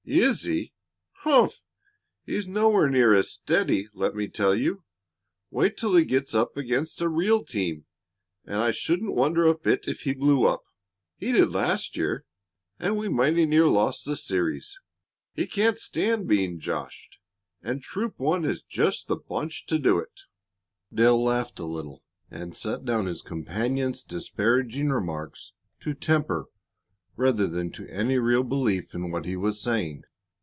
"Is he? Humph! He's nowhere near as steady, let me tell you. Wait till he gets up against a real team, and I shouldn't wonder a bit if he blew up. He did last year, and we mighty near lost the series. He can't stand being joshed, and Troop One is just the bunch to do it." Dale laughed a little and set down his companion's disparaging remarks to temper rather than to any real belief in what he was saying.